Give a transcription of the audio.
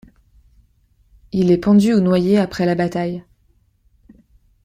Il est pendu ou noyé après la bataille.